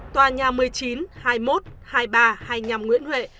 tòa nhà một mươi chín hai mươi một hai mươi ba hai mươi năm nguyễn huệ